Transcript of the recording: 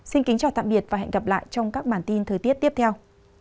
xin kính chào tạm biệt và hẹn gặp lại trong các bản tin thời tiết tiếp theo